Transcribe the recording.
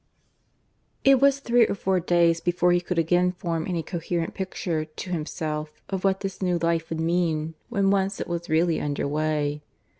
(IV) It was three or four days before he could again form any coherent picture to himself of what this new life would mean when once it was really under way.